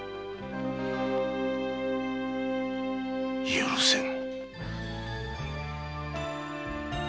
許せぬ！